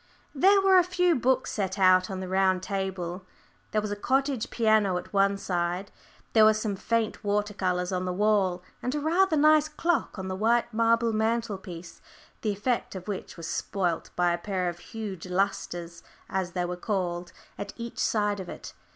There were a few books set out on the round table, there was a cottage piano at one side, there were some faint water colours on the wall, and a rather nice clock on the white marble mantelpiece, the effect of which was spoilt by a pair of huge "lustres," as they were called, at each side of it.